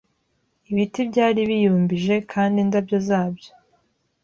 Ibiti byari biyumbije kandi indabyo zabyo